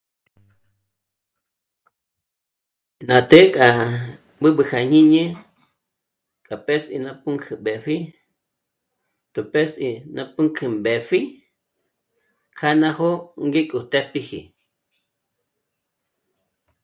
Ná té k'a b'ǚb'ü kja jñíni k'a p'ès'i ná pǔnk'ü mbèpji tú p'és'i ná punk'ü mbèpji kjâ ná j'ó'o rí k'o të́jpiji